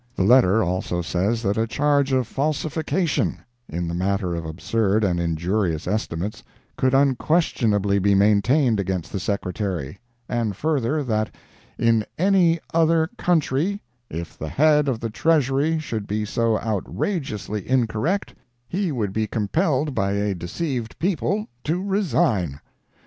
The letter also says that a charge of falsification (in the matter of absurd and injurious estimates) could unquestionably be maintained against the Secretary; and further, that "in any other country, if the head of the Treasury should be so outrageously incorrect, he would be compelled by a deceived people to resign."